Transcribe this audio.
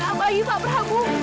apa lagi pak prabu